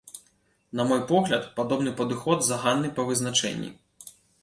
На мой погляд, падобны падыход заганны па вызначэнні.